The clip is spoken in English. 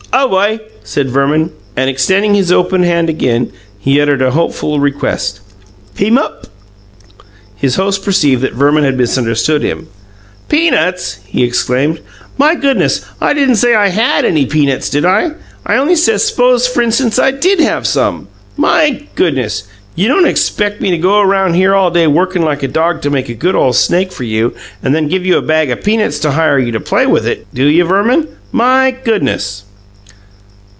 "Aw wi," said Verman, and, extending his open hand again, he uttered a hopeful request. "Peamup?" His host perceived that Verman had misunderstood him. "Peanuts!" he exclaimed. "My goodness! I didn't say I HAD any peanuts, did I? I only said s'pose f'rinstance I DID have some. My goodness! You don't expeck me to go round here all day workin' like a dog to make a good ole snake for you and then give you a bag o' peanuts to hire you to play with it, do you, Verman? My goodness!"